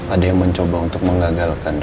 ada yang mencoba untuk mengagalkan